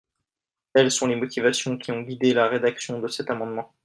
Telles sont les motivations qui ont guidé la rédaction de cet amendement.